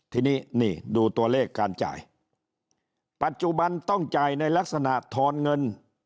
ทีนี้นี่ดูตัวเลขการจ่ายปัจจุบันต้องจ่ายในลักษณะทอนเงิน